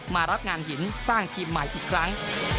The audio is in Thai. มารับงานหินสร้างทีมใหม่อีกครั้ง